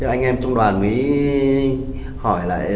anh em trong đoàn mới hỏi lại